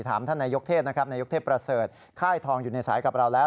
ท่านนายกเทศนะครับนายกเทพประเสริฐค่ายทองอยู่ในสายกับเราแล้ว